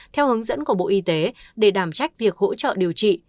theo hướng dẫn của bộ y tế để đảm trách việc hỗ trợ điều trị